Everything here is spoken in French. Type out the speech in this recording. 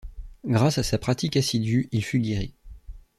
Grâce à sa pratique assidue, il fut guéri.